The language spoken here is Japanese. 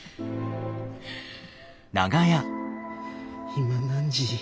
今何時？